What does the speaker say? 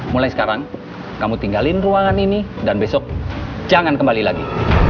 mulai sekarang kamu tinggalin ruangan ini dan besok jangan kembali lagi